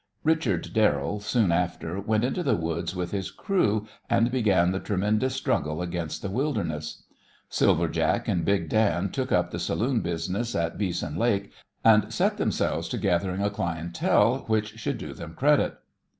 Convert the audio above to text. Richard Darrell, soon after, went into the woods with his crew, and began the tremendous struggle against the wilderness. Silver Jack and Big Dan took up the saloon business at Beeson Lake, and set themselves to gathering a clientèle which should do them credit.